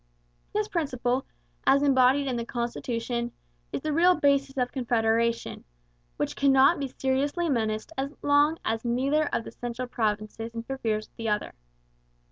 This principle, as embodied in the constitution, is the real basis of Confederation, which cannot be seriously menaced as long as neither of the central provinces interferes with the other.